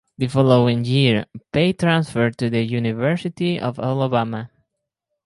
The following year Pate transferred to the University of Alabama.